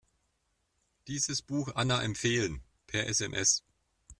Dieses Buch Anna empfehlen, per SMS.